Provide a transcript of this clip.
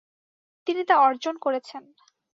তিনি তা অর্জন করেছেন।